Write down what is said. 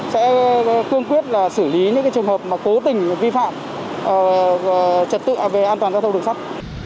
sẽ cương quyết là xử lý những trường hợp mà cố tình vi phạm trật tự về an toàn giao thông đường sắp